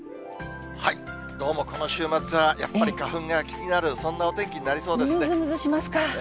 どうもこの週末は、やっぱり花粉が気になる、そんなお天気になりそうですね。